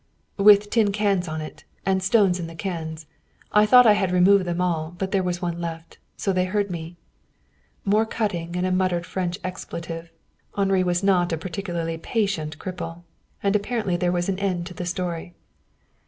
"With tin cans on it, and stones in the cans. I thought I had removed them all, but there was one left. So they heard me." More cutting and a muttered French expletive. Henri was not a particularly patient cripple. And apparently there was an end to the story.